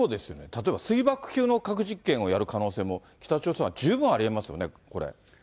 例えば水爆級の核実験をやる可能性も、北朝鮮は十分ありえますよね、これ。